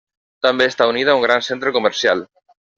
També està unida a un gran centre comercial.